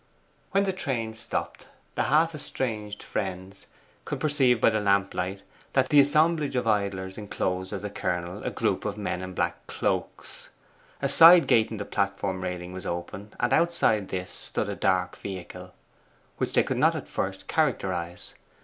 When the train stopped, the half estranged friends could perceive by the lamplight that the assemblage of idlers enclosed as a kernel a group of men in black cloaks. A side gate in the platform railing was open, and outside this stood a dark vehicle, which they could not at first characterize.